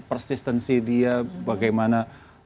persistensi dia bagaimana